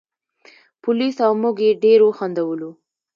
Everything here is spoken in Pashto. پولیس او موږ یې ډېر وخندولو.